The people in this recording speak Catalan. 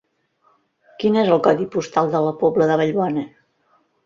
Quin és el codi postal de la Pobla de Vallbona?